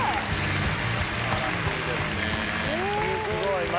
すごい。